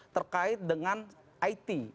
terkait dengan it